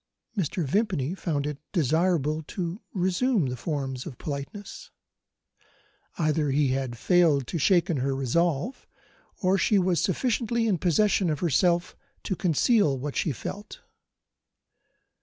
Mr. Vimpany found it desirable to resume the forms of politeness. Either he had failed to shake her resolution, or she was sufficiently in possession of herself to conceal what she felt.